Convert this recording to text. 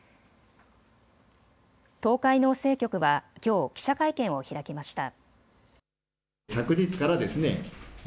東海農政局はきょう、記者会見を開きました。